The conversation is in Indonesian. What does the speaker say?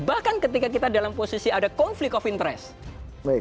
bahkan ketika kita dalam posisi ada konflik of interest